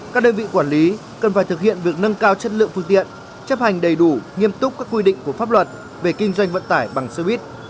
các đơn vị quản lý cần phải thực hiện việc nâng cao chất lượng phương tiện chấp hành đầy đủ nghiêm túc các quy định của pháp luật về kinh doanh vận tải bằng xe buýt